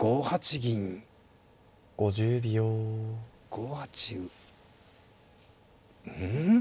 ５八うん？